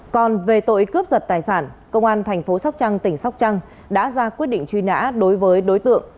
còn về tội cướp giật tài sản công an thành phố sóc trăng tỉnh sóc trăng đã ra quyết định truy nã đối với đối tượng